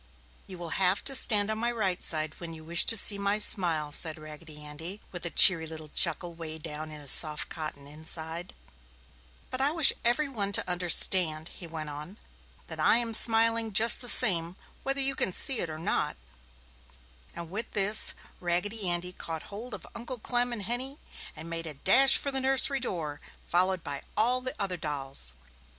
"You will have to stand on my right side, when you wish to see my smile!" said Raggedy Andy, with a cheery little chuckle 'way down in his soft cotton inside. [Illustration: Raggedy Andy's lopsided smile] [Illustration: Santa] "But I wish everyone to understand," he went on, "that I am smiling just the same, whether you can see it or not!" And with this, Raggedy Andy caught hold of Uncle Clem and Henny, and made a dash for the nursery door, followed by all the other dolls.